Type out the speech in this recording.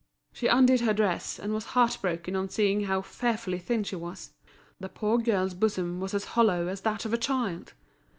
She undid her dress, and was heart broken on seeing how fearfully thin she was. The poor girl's bosom was as hollow as that of a child.